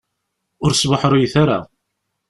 Ur sbuḥruyet ara.